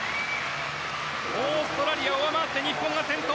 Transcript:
オーストラリアを上回って日本が先頭。